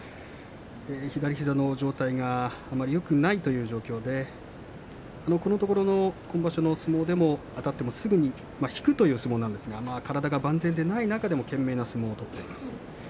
左膝の状態があまりよくないという状況でこのところの今場所の相撲でもあたってもすぐに引くという相撲なんですが体が万全でない中で懸命な相撲を取っています。